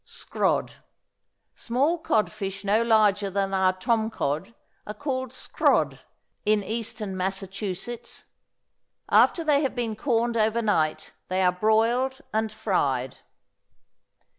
=Scrod.= Small codfish no larger than our tomcod are called scrod in Eastern Massachusetts. After they have been corned over night, they are broiled and fried.